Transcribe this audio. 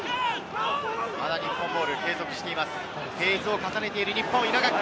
まだ日本ボール継続しています。